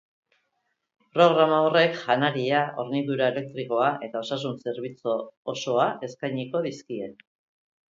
Programa horrek janaria, hornidura elektrikoa eta osasun zerbitzu osoa eskainiko dizkie.